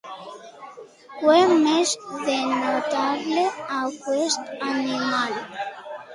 Què més denotava aquest animal?